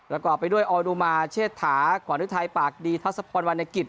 ประกอบไปด้วยออดุมาเชษฐาขวานฤทัยปากดีทัศพรวรรณกิจ